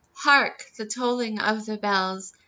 _ Hark! the tolling of the bells.